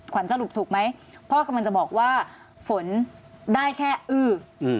สรุปถูกไหมพ่อกำลังจะบอกว่าฝนได้แค่อื้อ